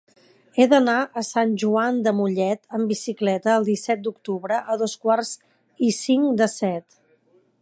He d'anar a Sant Joan de Mollet amb bicicleta el disset d'octubre a dos quarts i cinc de set.